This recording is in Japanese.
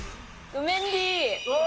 ウメンディー。